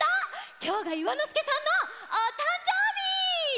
きょうがいわのすけさんのおたんじょうび！